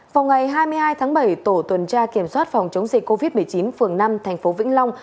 vào ngày hai mươi hai tháng bảy tổ tuần tra kiểm soát phòng chống dịch covid một mươi chín phường năm thành phố vĩnh long